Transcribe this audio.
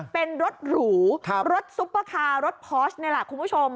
เป็นรถหรูรถซุปเปอร์คาร์รถพอร์ชนี่แหละคุณผู้ชม